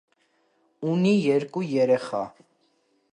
Ունի երկու երեխա։